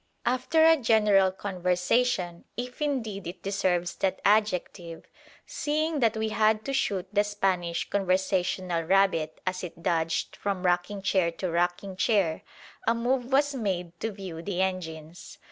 After a general conversation, if indeed it deserves that adjective, seeing that we had to shoot the Spanish conversational rabbit as it dodged from rocking chair to rocking chair, a move was made to view the engines.